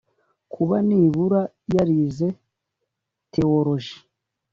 Kuba nibura yarize Theoloji